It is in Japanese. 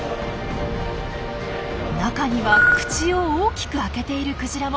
中には口を大きく開けているクジラも。